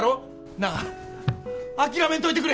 なあ諦めんといてくれ！